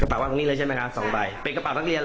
กระเป๋าว่างนี้เลยใช่ไหมคะ๒ใบเป็นกระเป๋าท่านเรียนเหรอ